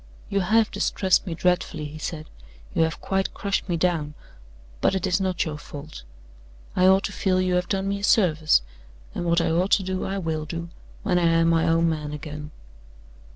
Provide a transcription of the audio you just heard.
"You have distressed me dreadfully," he said. "You have quite crushed me down. But it is not your fault. I ought to feel you have done me a service; and what I ought to do I will do, when I am my own man again.